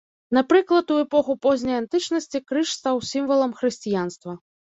Напрыклад, у эпоху позняй антычнасці крыж стаў сімвалам хрысціянства.